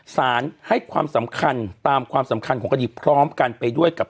สารให้ความสำคัญตามความสำคัญของคดีพร้อมกันไปด้วยกับ